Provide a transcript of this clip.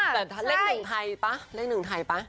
แต่เลขหนึ่งไทยป่ะเลขหนึ่งไทยป่ะ